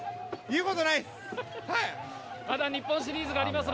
言うことないっす。